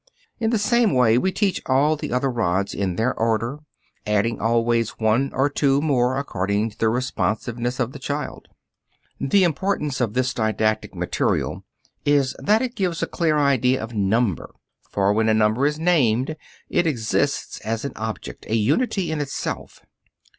In the same way we teach all the other rods in their order, adding always one or two more according to the responsiveness of the child. The importance of this didactic material is that it gives a clear idea of number. For when a number is named it exists as an object, a unity in itself.